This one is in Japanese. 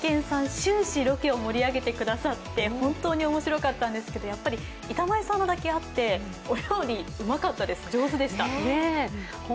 終始ロケを盛り上げてくださって本当におもしろかったんですけど、やっぱり板前さんだけあってお料理うまかったです。